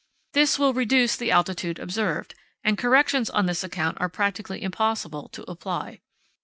This will reduce the altitude observed, and corrections on this account are practically impossible to apply.